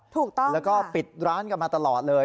ถูกต้องแล้วก็ปิดร้านกันมาตลอดเลย